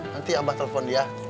nanti abah telepon dia